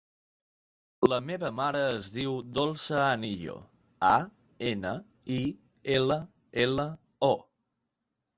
La meva mare es diu Dolça Anillo: a, ena, i, ela, ela, o.